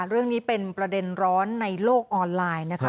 เรื่องนี้เป็นประเด็นร้อนในโลกออนไลน์นะคะ